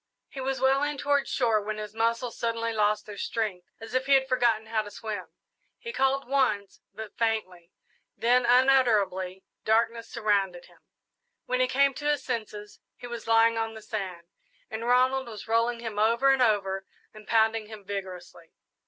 He was well in toward shore when his muscles suddenly lost their strength as if he had forgotten how to swim. He called once, but faintly, then unutterable darkness surrounded him. When he came to his senses he was lying on the sand, and Ronald was rolling him over and over and pounding him vigorously.